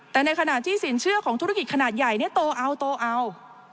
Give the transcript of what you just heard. แต่ในขณะที่สินเชื่อของธุรกิจขนาดใหญ่โตเอาโตเอา